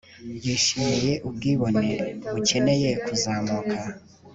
Yishimiye ubwibone bukeneye kuzamuka